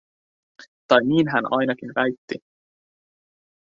Tai niin hän ainakin väitti.